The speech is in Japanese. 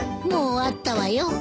もう終わったわよ。